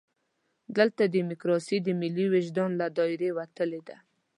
دلته ډیموکراسي د ملي وجدان له دایرې وتلې ده.